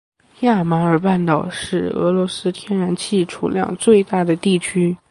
亚马尔半岛是俄罗斯天然气储量最大的地区。